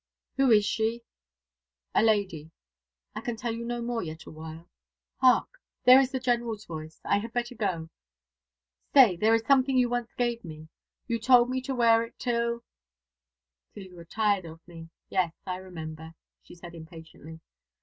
"Who is she?" "A lady. I can tell you no more yet awhile. Hark! there is the General's voice. I had better go. Stay, there is something you once gave me. You told me to wear it till " "Till you were tired of me. Yes, I remember," she said impatiently.